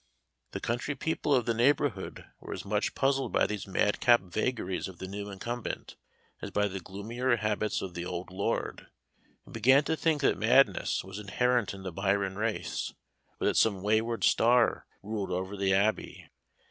The country people of the neighborhood were as much puzzled by these madcap vagaries of the new incumbent, as by the gloomier habits of the "old lord," and began to think that madness was inherent in the Byron race, or that some wayward star ruled over the Abbey.